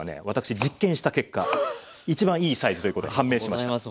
私実験した結果一番いいサイズということが判明しました。